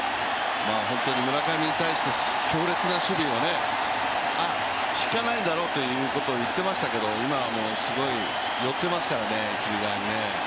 村上に対して強烈な守備を引かないんだろうということを言っていましたけど今はもうすごい寄っていますからね、一塁側に。